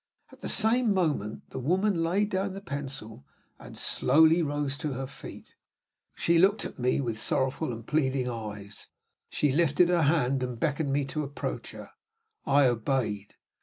At the same moment the woman laid down the pencil and rose slowly to her feet. She looked at me with sorrowful and pleading eyes: she lifted her hand and beckoned me to approach her. I obeyed.